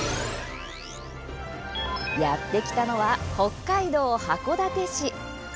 やって来たのは北海道函館市。